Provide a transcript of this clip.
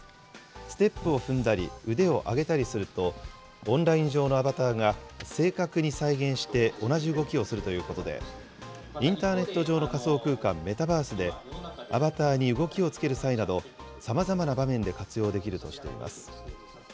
ステップを踏んだり、腕を上げたりすると、オンライン上のアバターが正確に再現して、同じ動きをするということで、インターネット上の仮想空間メタバースで、アバターに動きをつける際など、さまざまな場面で活用できるとしています。